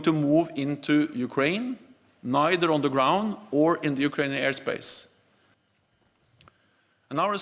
dan menyebabkan penyakit manusia yang lebih banyak